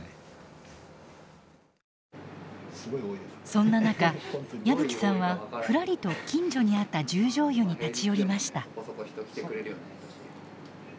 そんな中矢吹さんはふらりと近所にあった十條湯に立ち寄りました。